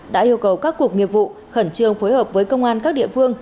đã yêu cầu các cục nghiệp vụ khẩn trương phối hợp với công an các địa phương